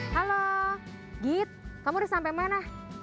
halo git kamu udah sampai mana